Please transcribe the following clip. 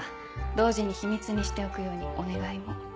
同時に秘密にしておくようにお願いも。